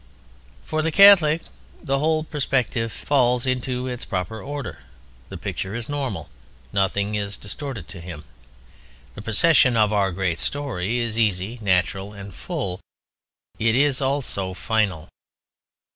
For the Catholic the whole perspective falls into its proper order. The picture is normal. Nothing is distorted to him. The procession of our great story is easy, natural, and full. It is also final.